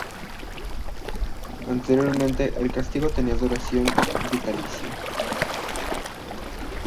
Anteriormente, el castigo tenía duración vitalicia.